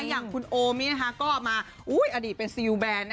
อย่างคุณโอมนี่นะคะก็ออกมาอุ้ยอดีตเป็นซิลแบนนะคะ